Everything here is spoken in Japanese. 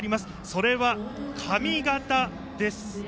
それは髪形です。